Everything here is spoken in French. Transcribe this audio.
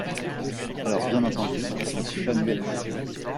Alors bien entendu, je ne suis pas muette.